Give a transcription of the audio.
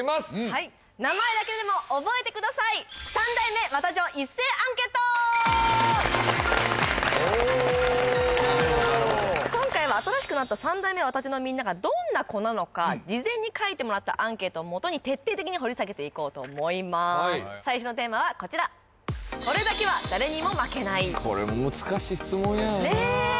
はいおおなるほどなるほど今回は新しくなった３代目ワタジョのみんながどんな子なのか事前に書いてもらったアンケートをもとに徹底的に掘り下げていこうと思います最初のテーマはこちらこれ難しい質問やよなねえ